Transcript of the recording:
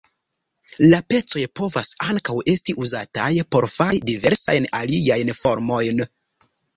La pecoj povas ankaŭ esti uzataj por fari diversajn aliajn formojn.